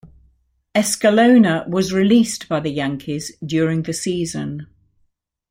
Escalona was released by the Yankees during the season.